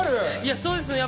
そうですね。